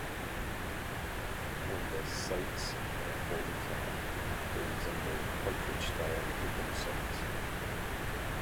When the sights are folded flat, they resemble Patridge style open sights.